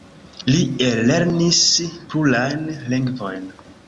Li ellernis plurajn lingvojn.